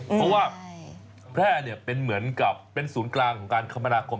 เพราะว่าแพร่เป็นเหมือนกับเป็นศูนย์กลางของการคมนาคม